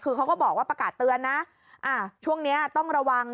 คือเขาก็บอกว่าประกาศเตือนนะช่วงนี้ต้องระวัง